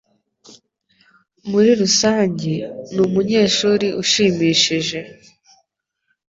Muri rusange, ni umunyeshuri ushimishije.